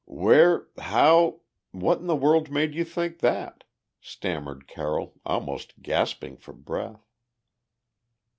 "Where how what in the world made you think that?" stammered Carroll, almost gasping for breath.